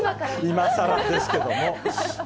今さらですけれども。